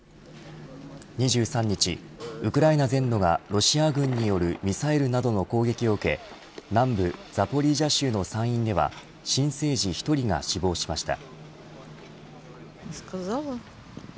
２３日ウクライナ全土がロシア軍によるミサイルなどの攻撃を受け南部ザポリージャ州の産院では新生児１人が死亡しました。